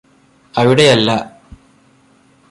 അവിടെയല്ലാ